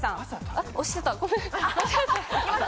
あっ押してたごめん間違えた。